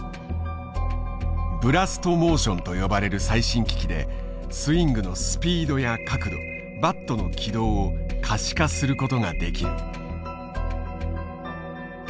ブラストモーションと呼ばれる最新機器でスイングのスピードや角度バットの軌道を可視化することができる。